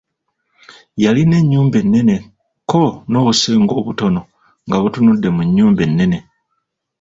Yalina ennyumba ennene ko n'obusenge obutono nga butunudde mu nnyumba ennene.